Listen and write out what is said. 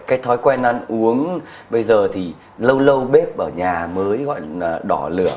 cái thói quen ăn uống bây giờ thì lâu lâu bếp ở nhà mới gọi là đỏ lửa